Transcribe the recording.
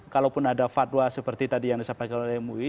kalaupun ada fatwa seperti tadi yang disampaikan oleh mui